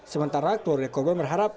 sementara keluarga korban berharap